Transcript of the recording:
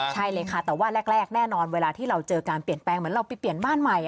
ใช่เลยค่ะแต่ว่าแรกแน่นอนเวลาที่เราเจอการเปลี่ยนแปลงเหมือนเราไปเปลี่ยนบ้านใหม่